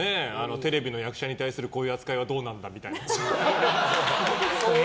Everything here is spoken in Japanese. テレビの役者に対するこういう扱いはどうなのかみたいな。